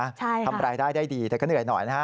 ใช่ทำรายได้ได้ดีแต่ก็เหนื่อยหน่อยนะฮะ